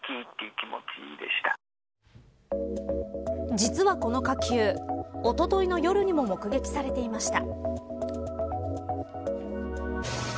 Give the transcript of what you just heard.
実はこの火球おとといの夜にも目撃されていました。